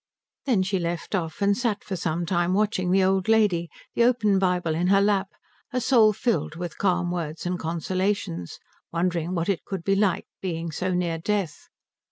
Then she left off and sat for some time watching the old lady, the open Bible in her lap, her soul filled with calm words and consolations, wondering what it could be like being so near death.